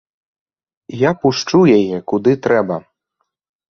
Я пушчу яе куды трэба.